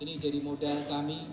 ini jadi modal kami